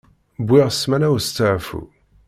Wwiɣ ssmana usteɛfu.